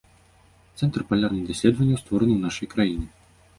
Цэнтр палярных даследаванняў створаны ў нашай краіне.